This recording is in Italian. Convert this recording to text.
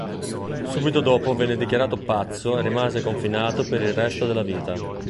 Subito dopo venne dichiarato pazzo e rimase confinato per il resto della vita.